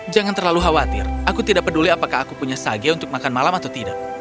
jangan terlalu khawatir aku tidak peduli apakah aku punya sage untuk makan malam atau tidak